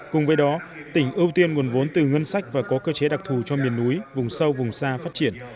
cùng với đó tỉnh ưu tiên nguồn vốn từ ngân sách và có cơ chế đặc thù cho miền núi vùng sâu vùng xa phát triển